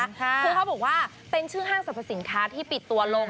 คือเขาบอกว่าเป็นชื่อห้างสรรพสินค้าที่ปิดตัวลง